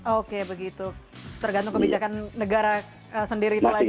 oke begitu tergantung kebijakan negara sendiri itu lagi